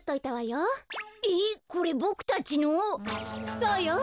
そうよ。